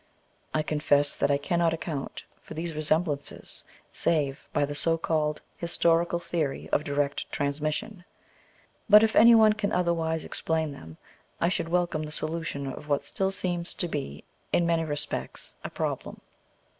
I confess that I cannot account for these resemblances vi PREFACE. save by the so called "historical theory" of direct transmission; but if any one can otherwise explain them I should welcome the solution of what still seems to be, in many respects, a problem.